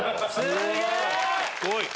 すごい！